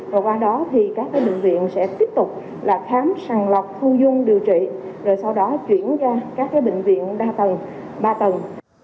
và qua đó thì các bệnh viện sẽ tiếp tục là khám sàng lọc thu dung